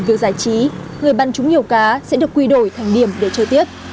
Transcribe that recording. việc giải trí người bắn trúng nhiều cá sẽ được quy đổi thành điểm để chơi tiếp